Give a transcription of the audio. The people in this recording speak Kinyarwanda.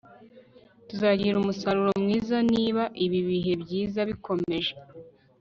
tuzagira umusaruro mwiza niba ibi bihe byiza bikomeje